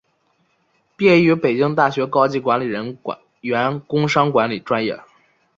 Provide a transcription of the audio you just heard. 毕业于北京大学高级管理人员工商管理专业。